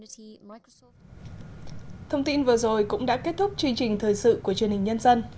thông tin vừa rồi cũng đã kết thúc chương trình thời sự của chương trình nhân dân